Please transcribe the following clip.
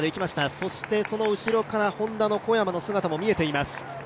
そしてその後ろからＨｏｎｄａの小山の姿も見えています。